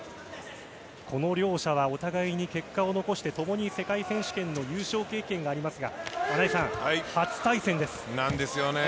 この両者はお互いに結果を残して、共に世界選手権の優勝経験がありますが、なんですよね。